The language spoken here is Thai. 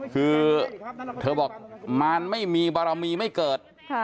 คือเธอบอกมารไม่มีบารมีไม่เกิด